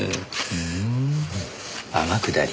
ふん天下り。